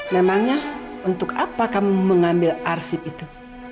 memangnya untuk apa kamu mengambil arsip itu